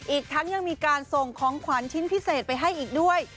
อีกทั้งยังมีการส่งของขวัญชิ้นพิเศษไปให้อีกด้วย